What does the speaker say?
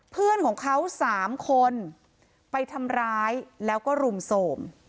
เพื่อนของเขา๓คนไปทำร้ายแล้วก็รุมโสม